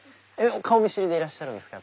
顔見知りでいらっしゃるんですか？